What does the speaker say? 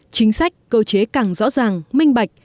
chính sách cơ chế càng rõ ràng minh bạch